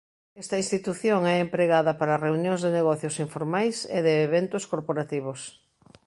Esta institución é empregada para reunións de negocios informais e de eventos corporativos.